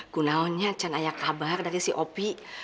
kenaunya kan ayah kabar dari si opi